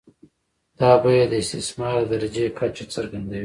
دا بیه د استثمار د درجې کچه څرګندوي